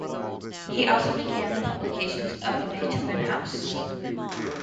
He also began the publications of the Beethoven House.